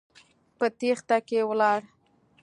په تېښته کې ولاړ.